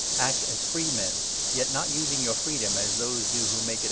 Act as free i ' men, yet not using your freedom as those do who make it a 3 Ps.